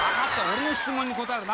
俺の質問に答えろ。